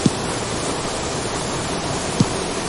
جانان سور ساندې ګل شوې د بیابان.